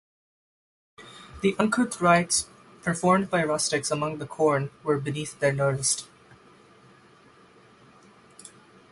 The uncouth rites performed by rustics among the corn were beneath their notice.